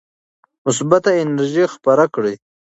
مثبته انرژي خپره کړئ.